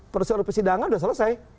proses persidangan sudah selesai